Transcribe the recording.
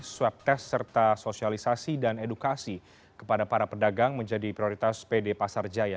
swab test serta sosialisasi dan edukasi kepada para pedagang menjadi prioritas pd pasar jaya